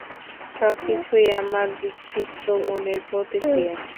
সবকিছুই আমার বিক্ষিপ্ত মনের প্রতিক্রিয়া!